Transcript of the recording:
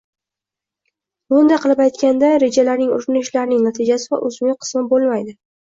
lo‘nda qilib aytganda, rejalarning, urinishlarning natijasi va uzviy qismi bo‘lmaydi